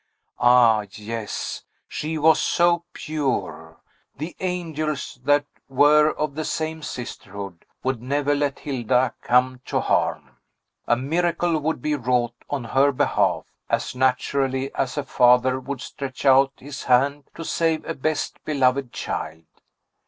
Ah, yes; she was so pure! The angels, that were of the same sisterhood, would never let Hilda come to harm. A miracle would be wrought on her behalf, as naturally as a father would stretch out his hand to save a best beloved child.